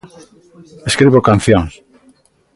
Escribo cancións.